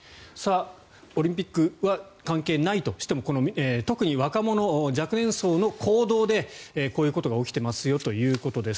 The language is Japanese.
オリンピックは関係ないとしても特に若者、若年層の行動でこういうことが起きてますよということです。